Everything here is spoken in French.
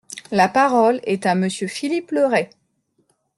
La parole est à Monsieur Philippe Le Ray.